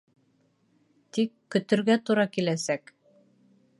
Тик, көтөргә тура киләсәк.